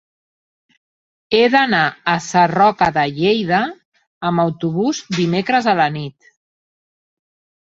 He d'anar a Sarroca de Lleida amb autobús dimecres a la nit.